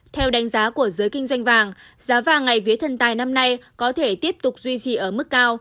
theo đánh giá của giới kinh doanh vàng giá vàng ngày vía thần tài năm nay có thể tiếp tục duy trì ở mức cao